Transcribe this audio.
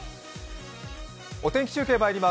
お天気中継まいります。